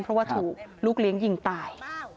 เพราะว่าถูกลูกเลี้ยงยิงตาย